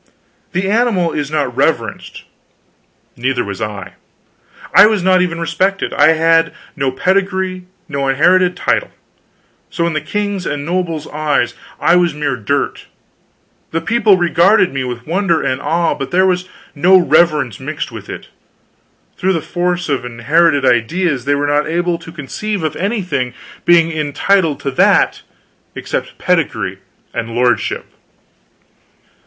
The animal is not reverenced, neither was I; I was not even respected. I had no pedigree, no inherited title; so in the king's and nobles' eyes I was mere dirt; the people regarded me with wonder and awe, but there was no reverence mixed with it; through the force of inherited ideas they were not able to conceive of anything being entitled to that except pedigree and lordship.